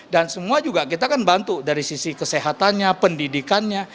dan semua juga kita kan bantu dari sisi kesehatannya pendidikannya